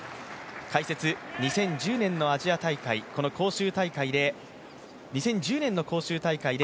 解説、２０１０年のアジア大会２０１０年の大会で